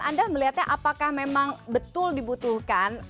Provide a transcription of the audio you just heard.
anda melihatnya apakah memang betul dibutuhkan